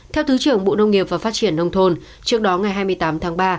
theo thứ trưởng bộ nông nghiệp và phát triển nông thôn trước đó ngày hai mươi tám tháng ba